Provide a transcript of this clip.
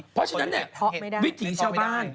เพราะฉะนั้นวิถีเช่าบ้าน